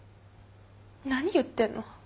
何言ってんの？